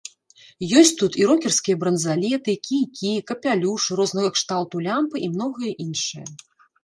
Ёсць тут і рокерскія бранзалеты, кійкі, капелюшы, рознага кшталту лямпы і многае іншае.